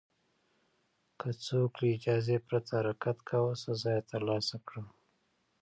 که څوک له اجازې پرته حرکت کاوه، سزا یې ترلاسه کړه.